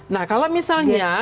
nah kalau misalnya